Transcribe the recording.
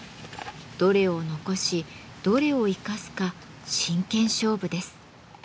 どれを残しどれを生かすか真剣勝負です。